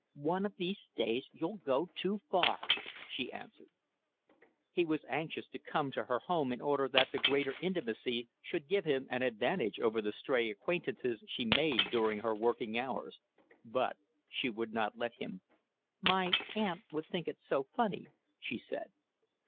"One of these days you'll go too far," she answered. He was anxious to come to her home in order that the greater intimacy should give him an advantage over the stray acquaintances she made during her working hours; but she would not let him. "My aunt would think it so funny," she said.